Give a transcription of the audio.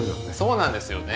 そうなんですよね！